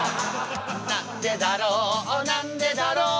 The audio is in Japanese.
「なんでだろうなんでだろう」